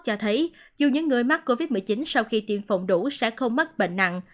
cho thấy dù những người mắc covid một mươi chín sau khi tiêm phòng đủ sẽ không mắc bệnh nặng